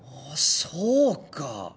そうか。